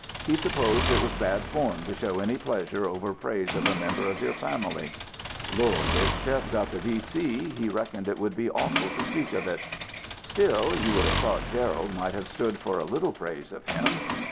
He supposed it was bad form to show any pleasure over praise of a member of your family. Lord, if Chev got the V.C., he reckoned it would be awful to speak of it. Still, you would have thought Gerald might have stood for a little praise of him.